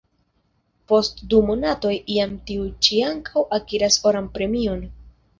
Post du monatoj jam tiu ĉi ankaŭ akiras oran premion.